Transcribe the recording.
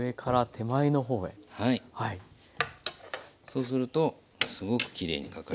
そうするとすごくきれいにかかります。